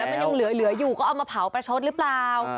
มันยังเหลืออยู่ก็เอามาเผาประชดหรือเปล่า